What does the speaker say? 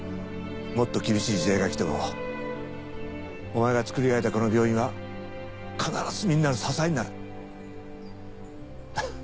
もっと厳しい時代が来てもお前が作り上げたこの病院は必ずみんなの支えになる。